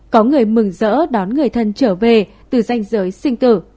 có người mừng rỡ đón người thân trở về từ danh giới sinh tử